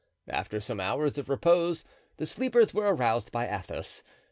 After some hours of repose the sleepers were aroused by Athos.